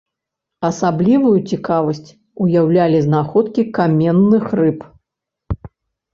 Асаблівую цікавасць ўяўлялі знаходкі каменных рыб.